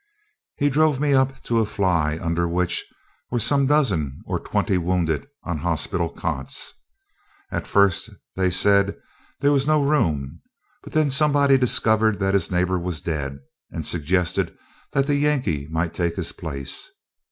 He drove me up to a fly under which were some dozen or twenty wounded on hospital cots. At first, they said there was no room; but then somebody discovered that his neighbor was dead, and suggested that the Yankee might take his place.